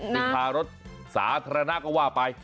ไปทารถสาธารณาก็ว่าไป